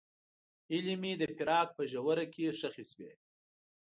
هیلې مې د فراق په ژوره کې ښخې شوې.